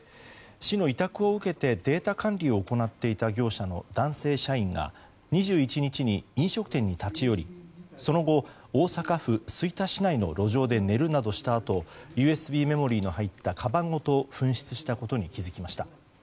市の委託を受けてデータ管理を行っていた業者の男性社員が２１日に飲食店に立ち寄りその後、大阪府吹田市内の路上で寝るなどしたあとＵＳＢメモリーの入ったかばんごと紛失したことに気づきました。